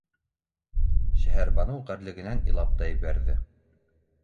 — Шәһәрбаныу ғәрлегенән илап та ебәрҙе.